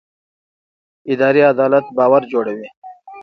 اداري عدالت باور جوړوي